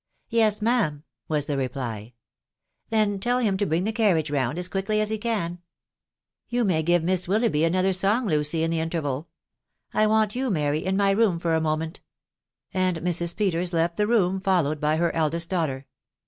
" Yes, ma'am," was the reply. " Then tell him to bring die carriage round as quickly as he can. ... You may give Miss Willoughby another song, Lucy, in the interval. I want you, Mary, in my room for a moment" .... And Mrs. Peters left the room followed by her eldest daughter.